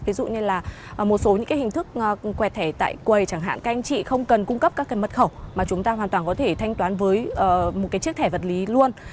ví dụ như là một số những cái hình thức quẹt thẻ tại quầy chẳng hạn các anh chị không cần cung cấp các cái mật khẩu mà chúng ta hoàn toàn có thể thanh toán với một cái chiếc thẻ vật lý luôn